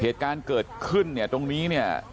เหตุการณ์เกิดขึ้นเนี่ยตรงนี้เนี่ย